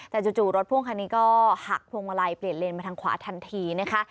แต่จู่รถพ่วงคันนี้ก็หักพวงมาลัยเปลี่ยนเลนมาทางขวาทันทีนะคะ